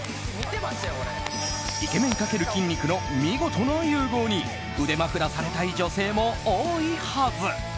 イケメン×筋肉の見事な融合に腕枕されたい女性も多いはず。